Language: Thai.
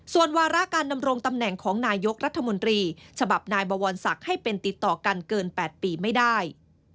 ส่วนวาระการดำรงตำแหน่งของนายกรัฐมนตรีฉบับนายบวรศักดิ์ให้เป็นติดต่อกันเกิน๘ปีไม่ได้